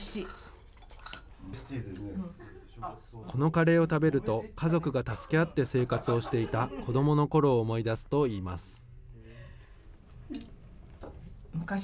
このカレーを食べると、家族が助け合って生活をしていた子どものころを思い出すといいます。